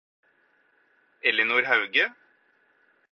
Ellinor Hauge